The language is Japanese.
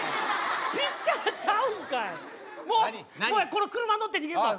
この車乗って逃げるぞ。